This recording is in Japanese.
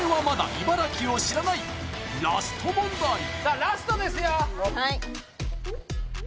さあラストですよ